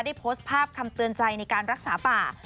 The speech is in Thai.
โพสต์ภาพคำเตือนใจในการรักษาป่า